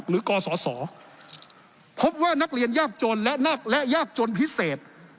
หรือกสพบว่านักเรียนยากจนและนักและยากจนพิเศษ